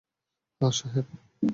হ্যাঁ, সাহেব।